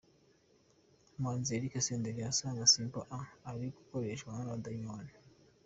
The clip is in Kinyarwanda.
Umuhanzi Eric Senderi asanga Simple A ari gukoreshwa n'abadayimoni .